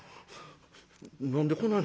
「何でこない